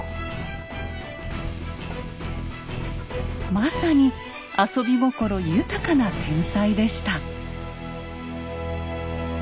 まさに遊び心豊かな天才でした。